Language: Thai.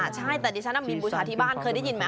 ใช่แต่ดิฉันมีบูชาที่บ้านเคยได้ยินไหม